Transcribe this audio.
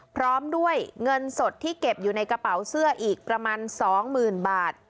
พร้อมด้วยเงินสดที่เก็บอยู่ในกระเป๋าเสื้ออีกประมาณ๒๐๐๐บาท